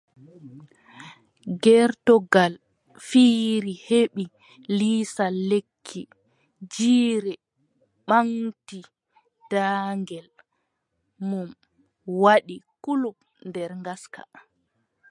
Gertogal fiiri heɓi lisal lekki! Jiire ɓaŋti daagel muum waɗi culuk nder ngaska!